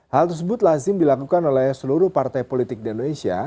hal tersebut lazim dilakukan oleh seluruh partai politik di indonesia